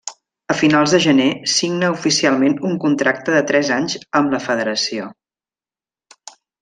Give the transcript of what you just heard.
A finals de gener, signa oficialment un contracte de tres anys amb la federació.